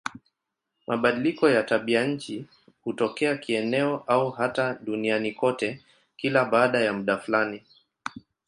Mabadiliko ya tabianchi hutokea kieneo au hata duniani kote kila baada ya muda fulani.